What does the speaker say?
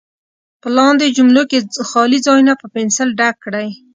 په لاندې جملو کې خالي ځایونه په پنسل ډک کړئ.